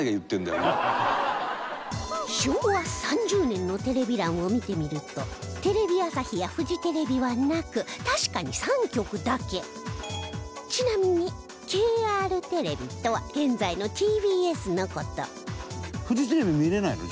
昭和３０年のテレビ欄を見てみるとテレビ朝日やフジテレビはなく確かに３局だけちなみに、ＫＲテレビとは現在のＴＢＳの事フジテレビ、見れないの？